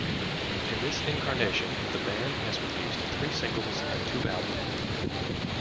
In this incarnation, the band has released three singles and two albums.